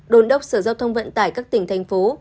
đồn đốc sở giao thông vận tải các tỉnh thành phố